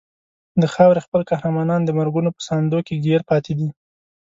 د خاورې خپل قهرمانان د مرګونو په ساندو کې ګیر پاتې دي.